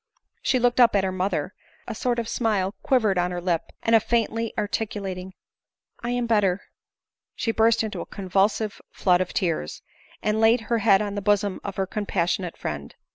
She looked up at her mother, a sort of smile quivered on her lip ; and faintly articulating, " I am better," she burst into a convulsive flood of tears, and laid her head on the bosom of her compassionate friend.